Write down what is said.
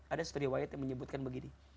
ada studiwayat yang menyebutkan begini